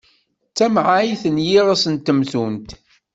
D tamɛayt n yiɣes n temtunt.